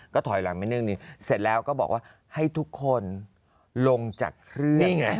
ก็ถอยหลังเสร็จแล้วบอกว่าให้ทุกคนลงจากเครื่อง